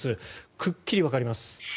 くっきりわかります。